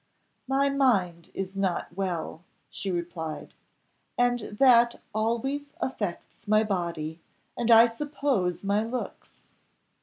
"My mind is not well," she replied, "and that always affects my body, and I suppose my looks."